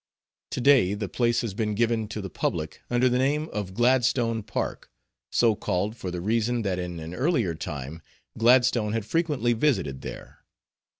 To day the place has been given to the public under the name of Gladstone Park, so called for the reason that in an earlier time Gladstone had frequently visited there.